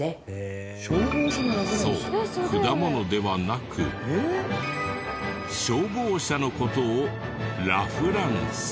そう果物ではなく消防車の事をラフランス。